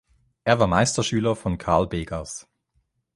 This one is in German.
Er war Meisterschüler von Carl Begas.